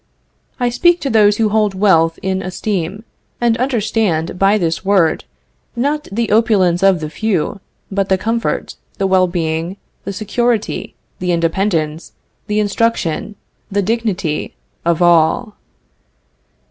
I speak to those who hold wealth in esteem and understand by this word, not the opulence of the few, but the comfort, the well being, the security, the independence, the instruction, the dignity of all.